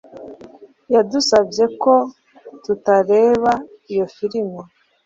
yadusabye ko tutareba iyo firime